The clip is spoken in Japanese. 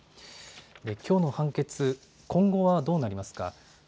きょうの判決、今後はどうなりますか。